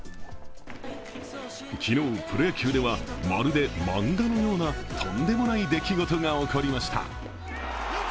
昨日、プロ野球ではまるで漫画のようなとんでもない出来事が起こりました。